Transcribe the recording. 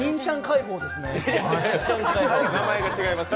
名前が違いますよ。